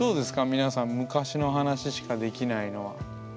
皆さん昔の話しかできないのは。